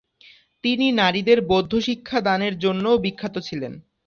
তিনি নারীদের বৌদ্ধ শিক্ষা দানের জন্যও বিখ্যাত ছিলেন।